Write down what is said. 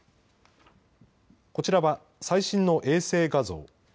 こちらは最新の衛星画像。